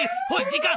時間。